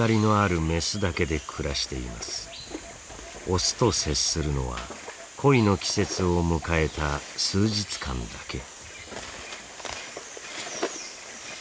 オスと接するのは恋の季節を迎えた数日間だけ。